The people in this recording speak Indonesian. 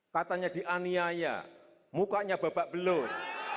katanya dianiaya mukanya babak belur